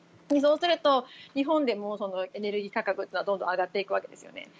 そうすると、日本でもエネルギー価格はどんどん上がっていくわけですよね。